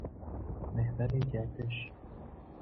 محور گردش